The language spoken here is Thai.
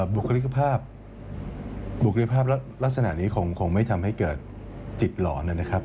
บุคลิกภาพบุคลิกภาพลักษณะนี้คงไม่ทำให้เกิดจิตหลอนนะครับ